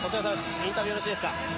インタビューよろしいですか。